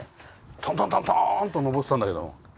トントントントーンと上ってたんだけど。